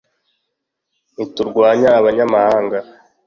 ntiturwanye abanyamahanga